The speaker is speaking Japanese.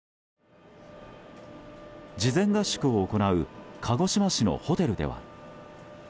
事前合宿を行う鹿児島市のホテルでは。